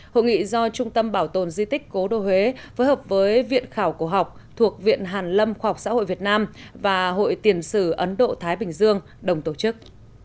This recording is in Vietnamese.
hội nghị do trung tâm bảo tồn di tích cố đô huế phối hợp với viện khảo cổ học thuộc viện hàn lâm khoa học xã hội việt nam và hội tiền sử ấn độ thái bình dương đồng tổ chức